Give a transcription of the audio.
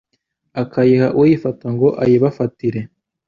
akayiha uyifata ngo ayibafatire